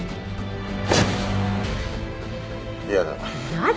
嫌だ。